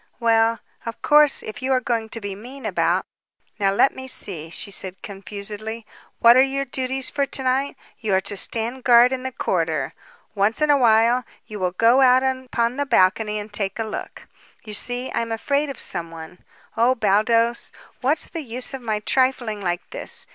"Well, of course, if you are going to be mean about Now, let me see," she said confusedly; "what are your duties for to night? You are to stand guard in the corridor. Once in awhile you will go out upon the balcony and take a look. You see, I am afraid of someone. Oh, Baldos, what's the use of my trifling like this?